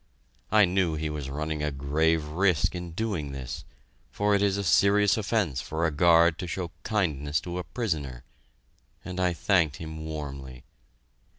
I knew he was running a grave risk in doing this, for it is a serious offense for a guard to show kindness to a prisoner, and I thanked him warmly.